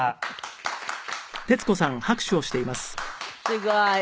すごい。